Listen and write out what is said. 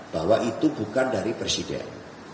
bahwa itu bukan dari presiden